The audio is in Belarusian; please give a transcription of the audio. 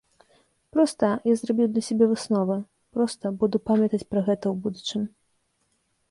Проста я зрабіў для сябе высновы, проста буду памятаць пра гэта ў будучым.